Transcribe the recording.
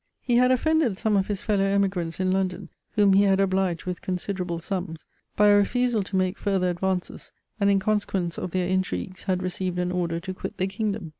He had offended some of his fellow emigrants in London, whom he had obliged with considerable sums, by a refusal to make further advances, and in consequence of their intrigues had received an order to quit the kingdom.